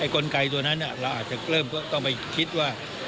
กลไกตัวนั้นเราอาจจะเริ่มต้องไปคิดว่า